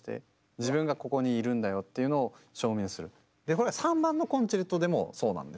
これは３番のコンチェルトでもそうなんですよね。